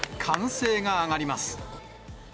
歓声が上がります。